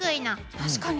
確かに。